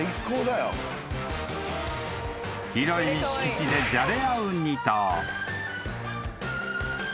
［広い敷地でじゃれ合う２頭］